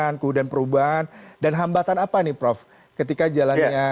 kemudian perubahan dan hambatan apa nih prof ketika jalannya